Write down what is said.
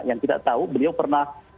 yang kita tahu beliau pernah